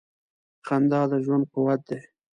• خندا د ژوند قوت دی.